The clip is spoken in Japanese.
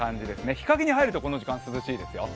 日陰に入るとこの時間、涼しいですよ。